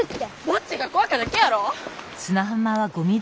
ぼっちがこわかだけやろ。